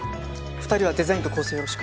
２人はデザインと構成よろしく。